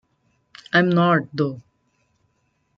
I'm not, though.